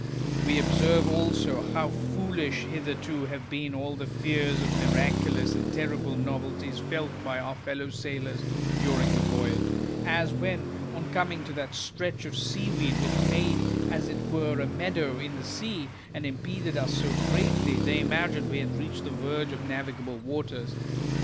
We observe also, how foolish hitherto have been all the fears of miraculous and terrible novelties felt by our fellow sailors during the voyage ; as when, on coming to that stretch of seaweed, which made as it were a meadow in the sea, and impeded us so greatly, they imagined we had reached the verge of navigable waters.